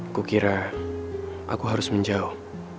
aku kira aku harus menjauh